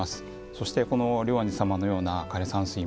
そしてこの龍安寺様のような枯山水もあり。